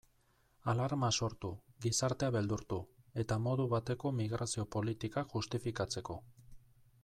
Alarma sortu, gizartea beldurtu, eta modu bateko migrazio politikak justifikatzeko.